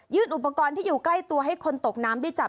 อุปกรณ์ที่อยู่ใกล้ตัวให้คนตกน้ำได้จาก